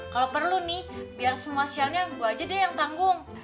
kalau perlu nih biar semua sialnya gue aja deh yang tanggung